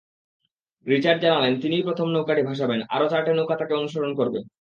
Richard জানালেন, তিনিই প্রথম নৌকাটি ভাসাবেন, আরও চারটে নৌকা তাঁকে অনুসরণ করবে।